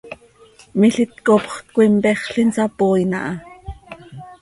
Milít copxöt coi mpexl, insapooin aha.